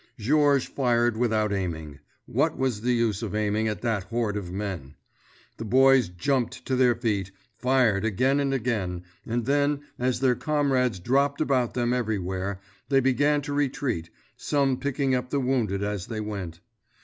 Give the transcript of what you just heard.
Georges fired without aiming. What was the use of aiming at that horde of men? The boys jumped to their feet, fired again and again, and then, as their comrades dropped about them everywhere, they began to retreat, some picking up the wounded as they went.